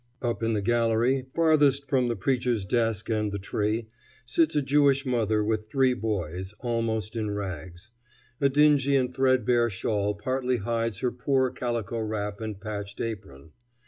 Up in the gallery, farthest from the preacher's desk and the tree, sits a Jewish mother with three boys, almost in rags. A dingy and threadbare shawl partly hides her poor calico wrap and patched apron.